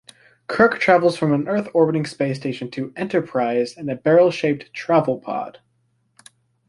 Kirk travels from an Earth-orbiting Space station to "Enterprise" in a barrel-shaped "travel pod".